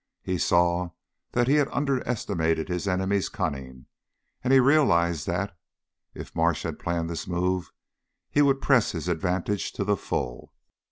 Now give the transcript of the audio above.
He saw that he had under estimated his enemy's cunning, and he realized that, if Marsh had planned this move, he would press his advantage to the full.